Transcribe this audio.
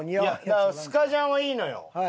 いやスカジャンはいいのよ。